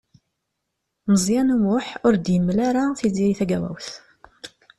Meẓyan U Muḥ ur d-yemli ara Tiziri Tagawawt.